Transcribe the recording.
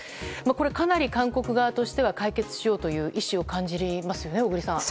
かなり韓国側としては解決しようとする意志を感じますね。